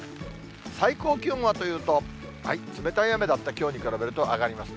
最高気温はというと、冷たい雨だったきょうに比べると上がります。